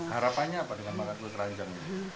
harapannya apa dengan makan kue keranjang